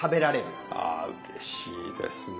あうれしいですね。